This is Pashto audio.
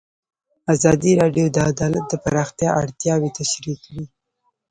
ازادي راډیو د عدالت د پراختیا اړتیاوې تشریح کړي.